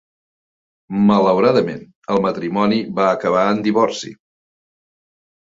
Malauradament, el matrimoni va acabar en divorci.